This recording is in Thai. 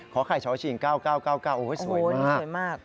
ขอข่ายชอชิง๙๙๙๙โอ้ยสวยมาก